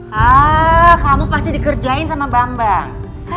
hah kamu pasti dikerjain sama bambang